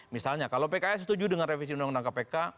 misalnya kalau pks setuju dengan revisi undang undang kpk